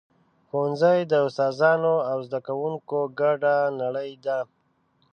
ښوونځی د استادانو او زده کوونکو ګډه نړۍ ده.